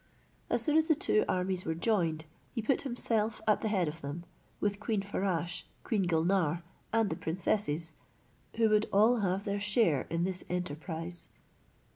As soon as the two armies were joined, he put himself at the head of them, with Queen Farasche, Queen Gulnare, and the princesses, who would all have their share in this enterprize.